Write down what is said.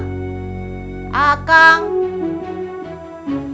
kau mah enak banget